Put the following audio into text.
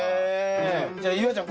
じゃあ夕空ちゃん